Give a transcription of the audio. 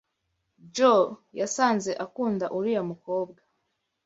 Joe yasaze akunda uriya mukobwa.